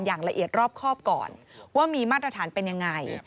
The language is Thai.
อย่างละเอียดรอบครอบก่อนว่ามีมาตรฐานเป็นยังไง